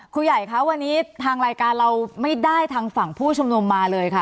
ผู้ใหญ่คะวันนี้ทางรายการเราไม่ได้ทางฝั่งผู้ชุมนุมมาเลยค่ะ